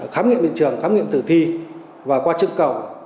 khám nghiệm địa trường khám nghiệm tử thi và qua trực cầu